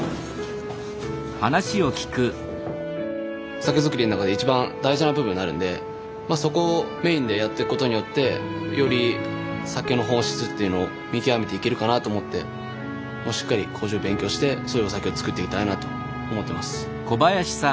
酒造りの中で一番大事な部分になるんでまあそこをメインでやってくことによってより酒の本質っていうのを見極めていけるかなと思ってもっとしっかり麹を勉強してそういうお酒を造っていきたいなと思ってます。